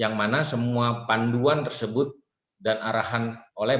yang mana semua panduan tersebut dan arahan orang lain